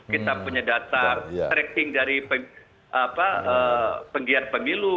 kita punya data tracking dari penggiat pemilu